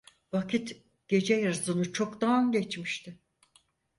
Vakit gece yarısını çoktan geçmişti.